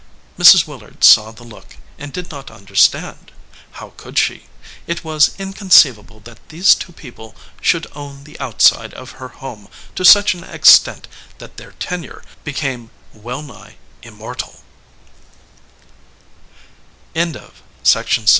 Mrs. Willard saw the look, and did not under stand. How could she? It was inconceivable that these two people should own the outside of her home to such an extent that their tenure became well